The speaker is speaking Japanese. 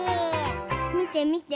みてみて。